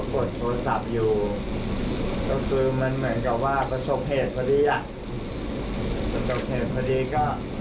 ประสบเหตุพอดีก็